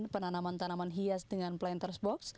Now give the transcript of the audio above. penanaman tanaman hias dengan planters box